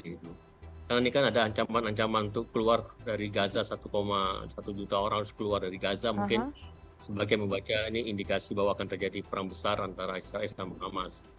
karena ini kan ada ancaman ancaman untuk keluar dari gaza satu satu juta orang harus keluar dari gaza mungkin sebagai membaca ini indikasi bahwa akan terjadi perang besar antara israel dan hamas